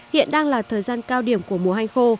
hiện đang là thời gian cao điểm của mùa hanh khô